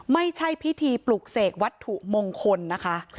ไม่ใช่พิธีปลุกเสกวัตถุมงคลนะคะ